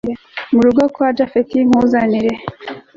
murugo kwa japhet nkuzanire